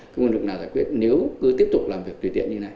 cái nguồn lực nào giải quyết nếu cứ tiếp tục làm việc tùy tiện như thế này